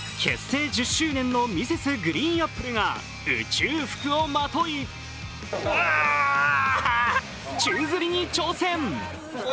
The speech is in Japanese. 結成１０周年のＭｒｓ．ＧＲＥＥＮＡＰＰＬＥが宇宙服をまとい宙づりに挑戦。